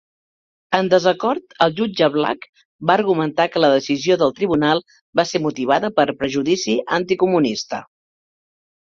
En desacord, el Jutge Black va argumentar que la decisió del Tribunal va ser motivada per prejudici anticomunista.